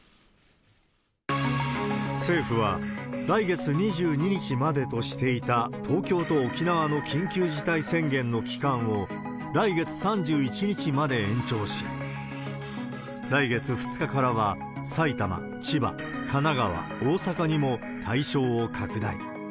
政府は、来月２２日までとしていた東京と沖縄の緊急事態宣言の期間を来月３１日まで延長し、来月２日からは埼玉、千葉、神奈川、大阪にも対象を拡大。